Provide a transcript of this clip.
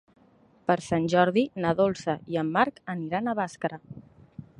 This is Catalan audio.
Per Sant Jordi na Dolça i en Marc aniran a Bàscara.